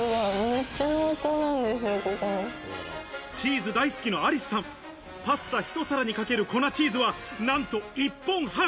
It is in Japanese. チーズ大好きのアリスさん、パスタひと皿にかける粉チーズは、なんと一本半。